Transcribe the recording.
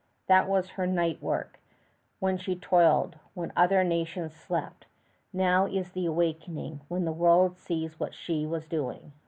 That was her night work, when she toiled, while other nations slept; now is the awakening, when the world sees what she was doing.